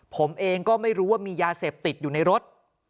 ผมเองก็ไม่รู้ว่ามียาเสพติดอยู่ในรถ